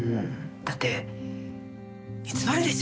だって煮詰まるでしょ！